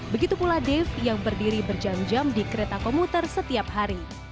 begitu pula dave yang berdiri berjam jam di kereta komuter setiap hari